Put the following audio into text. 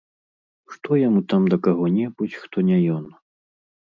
Што яму там да каго-небудзь, хто не ён?